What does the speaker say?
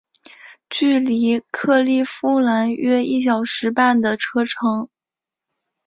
距离克利夫兰约一小时半的车程。